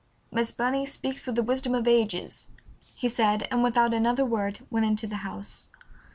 "Miss Burney speaks with the wisdom of ages," he said, and without another word went into the house.